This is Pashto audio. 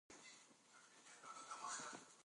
ازادي راډیو د کډوال په اړه د قانوني اصلاحاتو خبر ورکړی.